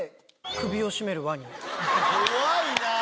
怖いなぁ。